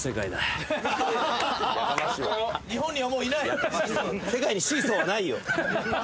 日本にはもういない。